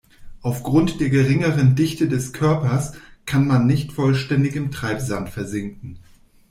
Aufgrund der geringeren Dichte des Körpers kann man nicht vollständig im Treibsand versinken.